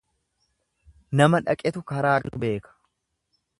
Nama dhaqetu karaa galu beeka.